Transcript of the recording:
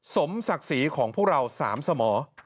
สมศักดิ์ศรีของพวกเรา๓สมอ